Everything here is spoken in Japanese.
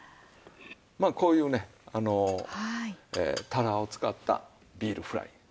まあこういうねタラを使ったビールフライ。